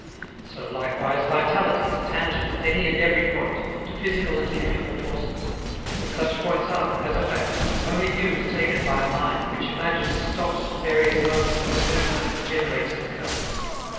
So likewise "vitality" is tangent, at any and every point, to physical and chemical forces; but such points are, as a fact, only views taken by a mind which imagines stops at various moments of the movement that generates the curve.